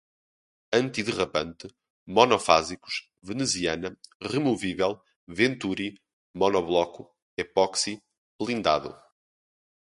antiderrapante, monofásicos, veneziana, removível, venturi, monobloco, epóxi, blindado